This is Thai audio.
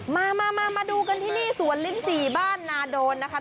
มามาดูกันที่นี่สวนลิ้น๔บ้านนาโดนนะคะ